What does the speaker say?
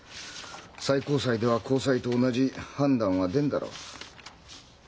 最高裁では高裁と同じ判断は出んだろう。